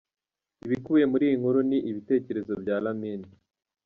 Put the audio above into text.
Ibikubiye muri iyi nkuru ni ibitekerezo bya Lamin .